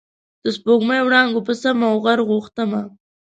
د سپوږمۍ وړانګو په سم او غر غوښتمه